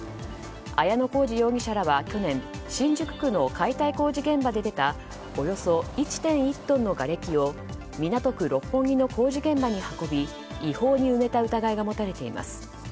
綾乃小路容疑者らは去年新宿区の解体工事現場で出たおよそ１．１トンのがれきを港区六本木の工事現場に運び違法に埋めた疑いが持たれています。